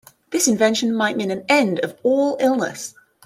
This invention might mean the end of all illness.